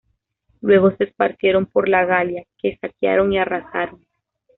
Luego se esparcieron por la Galia, que saquearon y arrasaron.